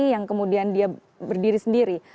yang kemudian dia berdiri sendiri